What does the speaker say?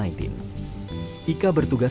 pandemi ini akan sampai tamat